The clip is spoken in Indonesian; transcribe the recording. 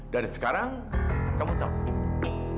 dari sekarang kamu tahu